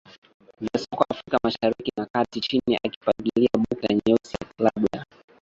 vya Soka Afrika Mashariki na Kati na chini akipigilia bukta nyeusi ya klabu ya